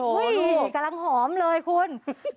ผมที่กำลังหอมเลยคุณ